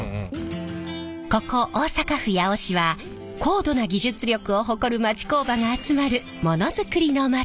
ここ大阪府八尾市は高度な技術力を誇る町工場が集まるものづくりの町。